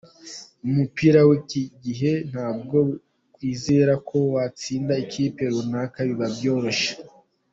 Mu mupira w’iki gihe ntabwo kwizera ko watsinda ikipe runaka biba byoroshye.